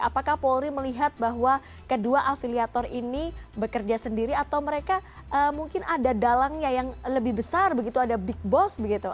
apakah polri melihat bahwa kedua afiliator ini bekerja sendiri atau mereka mungkin ada dalangnya yang lebih besar begitu ada big boss begitu